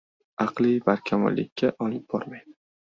Aqliy barkamollikka olib bormaydi.